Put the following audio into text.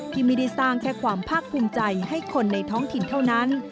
ที่ไม่ได้สร้างแค่ความภาคภูมิใจให้คนในท้องถิ่นเท่านั้น